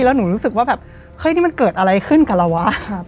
แล้วหนูรู้สึกว่าแบบเฮ้ยนี่มันเกิดอะไรขึ้นกับเราวะ